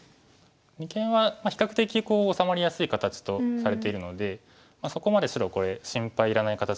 二間は比較的治まりやすい形とされているのでそこまで白これ心配いらない形になってくるかなと思います。